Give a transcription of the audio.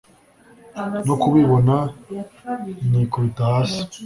no kubibona nikubita hasi